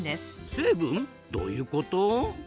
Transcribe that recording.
成分？どういうこと？